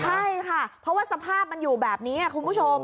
ใช่ค่ะเพราะว่าสภาพมันอยู่แบบนี้คุณผู้ชม